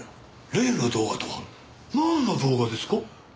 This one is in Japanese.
「例の動画とはなんの動画ですか？」。